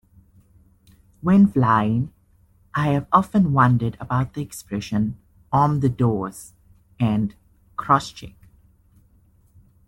When flying, I have often wondered about the expression Arm the Doors and Crosscheck